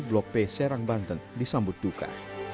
blok p serang banten disambut duka